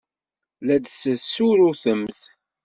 La d-tessurrutemt?